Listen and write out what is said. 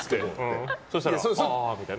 そうしたら、ああみたいな。